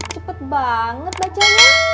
cepet banget bacanya